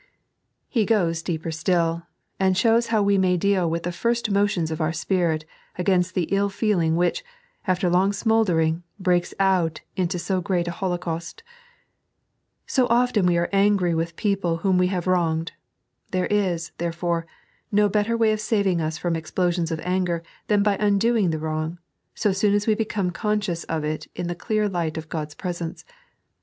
He goes deeper still, and shows how we may deal with the first motions of our spirit against the ill feeling which, after long smouldering, breaks out into so great a holocaust. So often we are angry with people whom we have wronged ; there is, therefore, no better way of saving us from explosions of anger than by undoing the wrong, so soon as we become conscious of it in the clear light of Qod's presence.